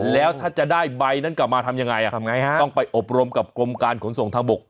แล้วถ้าจะได้ใบนั้นกลับมาทำยังไงทำไงฮะต้องไปอบรมกับกรมการขนส่งทางบก